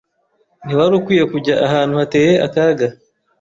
Ntiwari ukwiye kujya ahantu hateye akaga.